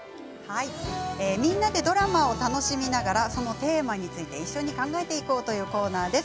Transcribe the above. みんなでドラマを楽しみながらそのテーマについて一緒に考えていこうというコーナーです。